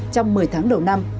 trong một mươi tháng đầu năm